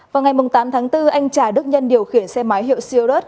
vào ngày tám tháng bốn anh trà đức nhân điều khiển xe máy hiệu siêu